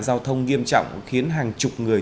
giao thông nghiêm trọng khiến hàng chục người